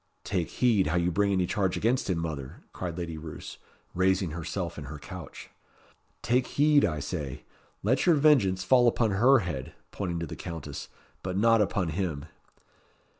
"Take heed how you bring any charge against him, mother," cried Lady Roos, raising herself in her couch. "Take heed, I say. Let your vengeance fall upon her head," pointing to the Countess "but not upon him."